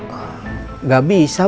bapak coba ya bapak coba